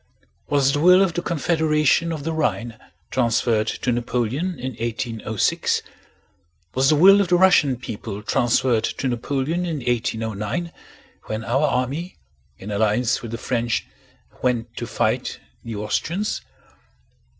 Was the will of the Confederation of the Rhine transferred to Napoleon in 1806? Was the will of the Russian people transferred to Napoleon in 1809, when our army in alliance with the French went to fight the Austrians?